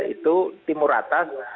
itu timur atas